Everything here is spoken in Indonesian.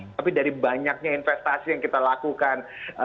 tapi dari banyaknya investasi yang kita lakukan